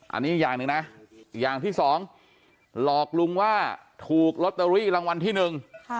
อันนี้อย่างหนึ่งนะอย่างที่สองหลอกลุงว่าถูกลอตเตอรี่รางวัลที่หนึ่ง